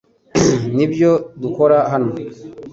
Nibyo dukora hano .